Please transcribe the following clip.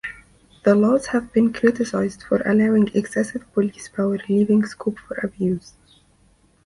The laws have been criticised for allowing excessive police powers leaving scope for abuse.